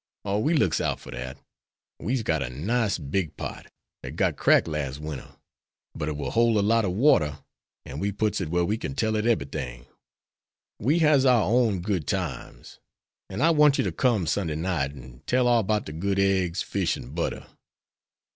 '" "Oh, we looks out for dat. We's got a nice big pot, dat got cracked las' winter, but it will hole a lot o' water, an' we puts it whar we can tell it eberything. We has our own good times. An' I want you to come Sunday night an' tell all 'bout the good eggs, fish, and butter.